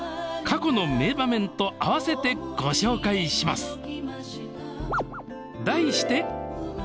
過去の名場面と合わせてご紹介します。